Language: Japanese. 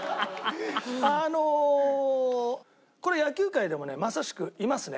あのこれ野球界でもねまさしくいますね。